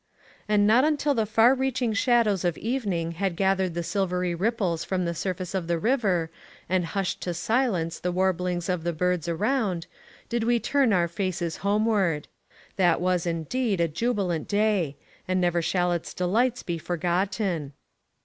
And not until the far reaching shadows of evening had gathered the silvery ripples from the surface of the river, and hushed to silence the warblings of the birds around, did we turn our faces homeward. That was, indeed, a jubilant day, and never shall its delights be forgotten.